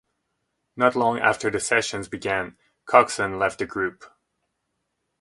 Not long after the sessions began, Coxon left the group.